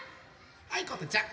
はいことちゃん。